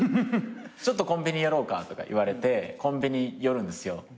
「ちょっとコンビニ寄ろうか」とか言われてコンビニ寄るんですよ。